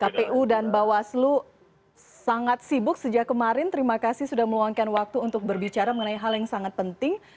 kpu dan bawaslu sangat sibuk sejak kemarin terima kasih sudah meluangkan waktu untuk berbicara mengenai hal yang sangat penting